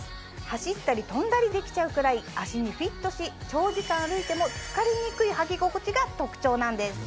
走ったり跳んだりできちゃうくらい足にフィットし長時間歩いても疲れにくい履き心地が特徴なんです。